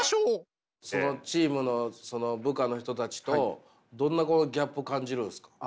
そのチームのその部下の人たちとどんなこうギャップを感じるんすか？